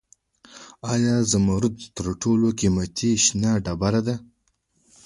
آیا زمرد تر ټولو قیمتي شنه ډبره ده؟